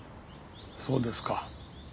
そうですか。